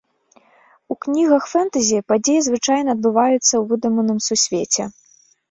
У кнігах фэнтэзі падзеі звычайна адбываюцца ў выдуманым сусвеце.